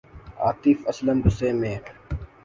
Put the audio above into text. آطف اسلم غصے میں